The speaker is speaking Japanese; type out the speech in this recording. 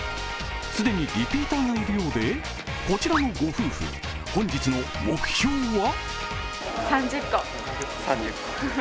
既にリピーターがいるようでこちらのご夫婦、本日の目標は？